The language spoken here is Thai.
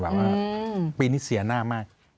ว่าปีนี้เสียหน้ามาก